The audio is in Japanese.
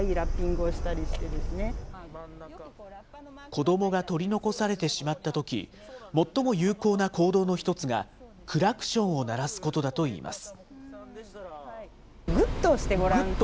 子どもが取り残されてしまったとき、最も有効な行動の一つが、クラクションを鳴らすことだといいます。